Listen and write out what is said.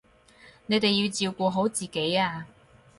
你哋要照顧好自己啊